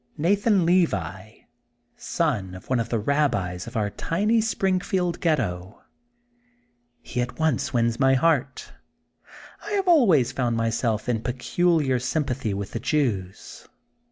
Nathan Levi, son of one of the Rabbis of our tiny Springfield Ghetto. He at once wins my heart. I have always found myself in peculiar sympathy with the Jews.